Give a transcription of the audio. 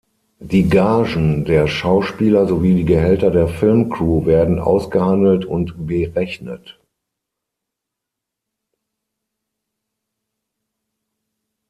Die Gagen der Schauspieler sowie die Gehälter der Filmcrew werden ausgehandelt und berechnet.